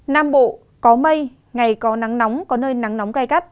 nam bộ có mây ngày có nắng nóng có nơi nắng nóng gai gắt